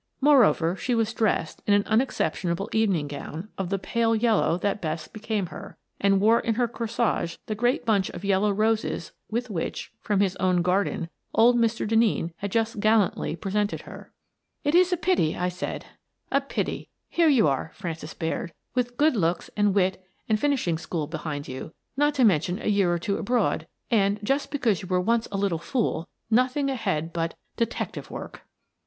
Moreover, she was dressed in an unexceptionable evening gown of the pale yellow that best became her, and wore in her corsage the great bunch of yellow roses with which, from his own garden, old Mr. Denneen had just gallantly presented her. " It is a pity," I said, " a pity. Here you are, Frances Baird, with good looks and wit and a fin ishing school behind you, — not to mention a year or two abroad, — and, just because you were once a little fool, nothing ahead but — detective work !